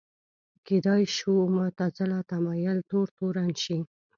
کېدای شو معتزله تمایل تور تورن شي